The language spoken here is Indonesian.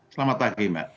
selamat pagi mbak